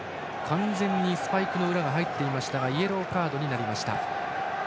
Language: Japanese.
完全にスパイクの裏が入っていましたがイエローカードになりました。